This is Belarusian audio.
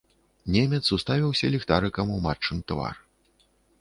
Немец уставіўся ліхтарыкам у матчын твар.